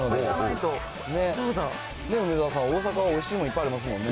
梅沢さん、大阪、おいしいものいっぱいありますもんね。